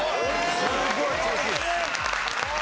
すごい調子いいです。